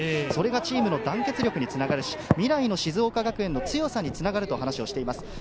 それがチームの団結力につながるし、未来の静岡学園の強さにつながると話をしています。